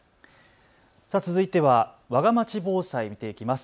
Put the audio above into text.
続いてはわがまち防災、見ていきます。